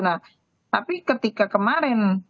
nah tapi ketika kemarin